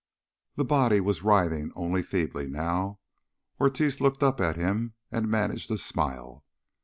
The body was writhing only feebly, now. Ortiz looked up at him, and managed a smile.